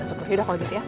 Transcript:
yaudah kalau gitu ya